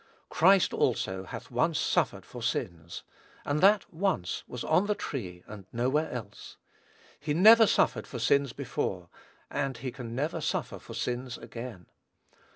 "Christ also hath once suffered for sins," and that "once," was on the tree and nowhere else. He never suffered for sins before, and he never can suffer for sins again.